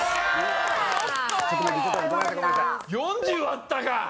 ４０割ったか！